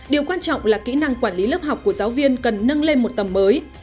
điều quan trọng là kỹ năng quản lý lớp học của giáo viên cần nâng lên một tầm mới